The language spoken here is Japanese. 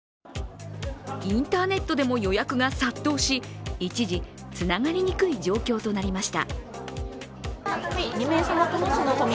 インターネットでも予約が殺到し一時つながりにくい状況となりました。